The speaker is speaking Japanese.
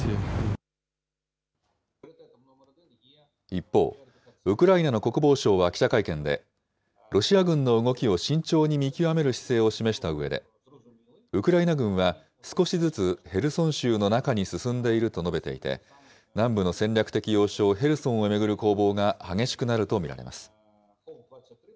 一方、ウクライナの国防相は記者会見で、ロシア軍の動きを慎重に見極める姿勢を示したうえで、ウクライナ軍は、少しずつヘルソン州の中に進んでいると述べていて、南部の戦略的要衝、ヘルソンを巡る攻防が激しくなると見られます。